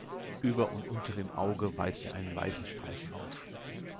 Über und unter dem Auge weist er einen weißen Streifen auf.